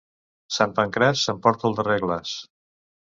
Sant Pancraç s'emporta el darrer glaç.